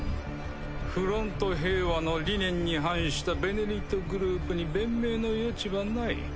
フロント平和の理念に反した「ベネリット」グループに弁明の余地はない。